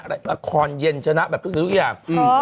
ละครเย็นชนะแบบทุกอย่างอืมอ๋อ